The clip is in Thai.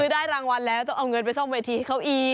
ได้รางวัลแล้วต้องเอาเงินไปซ่อมเวทีเขาอีก